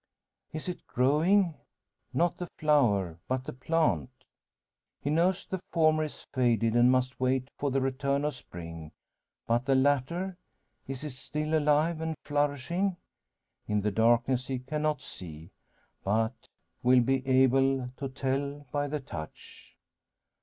Is it growing? Not the flower, but the plant. He knows the former is faded, and must wait for the return of spring. But the latter is it still alive and flourishing? In the darkness he cannot see, but will be able to tell by the touch.